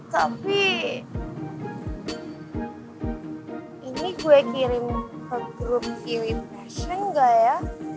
tapi ini gue kirim ke grup iwi passion gak ya